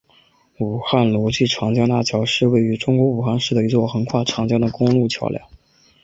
武汉阳逻长江大桥是位于中国武汉市的一座横跨长江的公路桥梁。